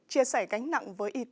chia sẻ gánh nặng với y tế